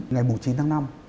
ngày một mươi chín tháng năm